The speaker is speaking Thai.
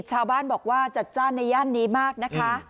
ชาวบ้านบอกว่าจัดจ้านในย่านนี้มากนะคะ